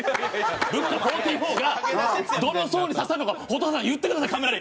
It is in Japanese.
ＢＵＣＣＡ４４がどの層に刺さるのか蛍原さん言ってくださいカメラに！